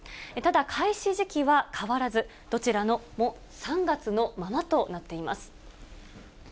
ただ、開始時期は変わらず、どちらも３月のままとなっています。